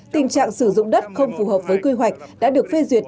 tình trạng sử dụng đất không phù hợp với quy hoạch đã được phê duyệt